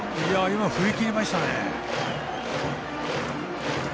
今、振り切りましたね。